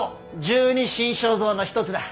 十二神将像の一つだ。